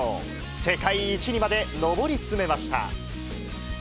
世界一にまで上り詰めました。